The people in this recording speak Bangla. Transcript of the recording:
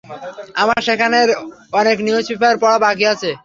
আমার সেখানের অনেক নিউজপেপার পড়া বাকী আছে।